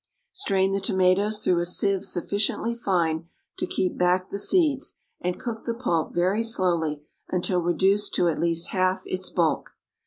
Strain the tomatoes through a sieve sufficiently fine to keep back the seeds, and cook the pulp, very slowly, until reduced to at least half its bulk.